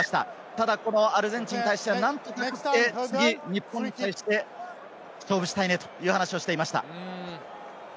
ただアルゼンチンに対しては何とか勝って日本と勝負したいと話をしていました。